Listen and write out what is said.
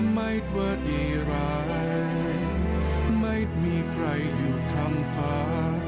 ไม่เวิร์ดยี่รายไม่มีใครอยู่คำฟ้า